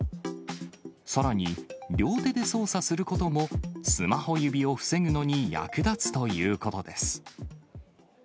さらに両手で操作することも、スマホ指を防ぐのに役立つということです。